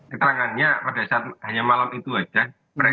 keterangannya pada saat hanya malam itu saja